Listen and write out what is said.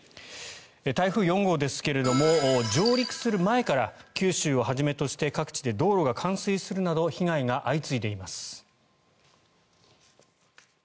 台風４号ですが上陸する前から九州をはじめとして各地で道路が冠水するなど被害が相次いでいます。